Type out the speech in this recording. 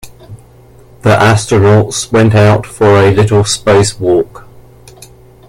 The astronauts went out for a little spacewalk.